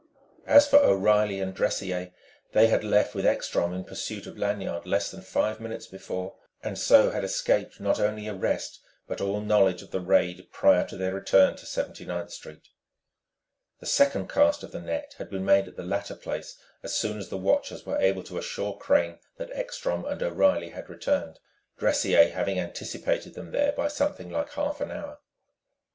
As for O'Reilly and Dressier, they had left with Ekstrom in pursuit of Lanyard less than five minutes before, and so had escaped not only arrest but all knowledge of the raid prior to their return to Seventy ninth Street. The second cast of the net had been made at the latter place as soon as the watchers were able to assure Crane that Ekstrom and O'Reilly had returned Dressier having anticipated them there by something like half an hour.